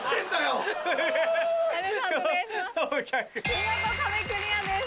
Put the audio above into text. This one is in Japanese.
見事壁クリアです。